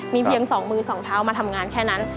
มีเพียง๒มือ๒เท้ามาทำงานแค่นั้น